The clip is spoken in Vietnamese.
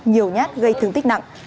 nhiều nhát gây thương tích nặng